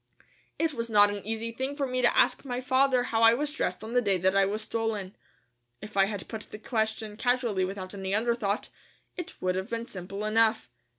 It was not an easy thing for me to ask my father how I was dressed on the day that I was stolen. If I had put the question casually without any underthought, it would have been simple enough.